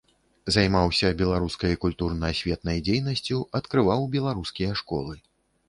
Займаўся беларускай культурна-асветнай дзейнасцю, адкрываў беларускія школы.